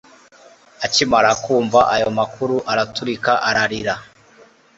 akimara kumva ayo makuru, araturika ararira